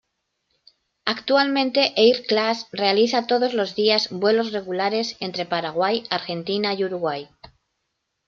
Actualmente "Air Class" realiza todos los días vuelos regulares entre Paraguay, Argentina y Uruguay.